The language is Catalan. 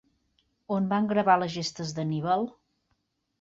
On van gravar les gestes d'Anníbal?